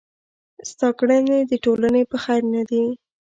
ستا کړني د ټولني په خير نه دي.